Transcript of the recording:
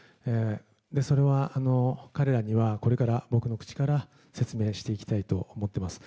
それは彼らにはこれから僕の口から説明していきたいと思っています。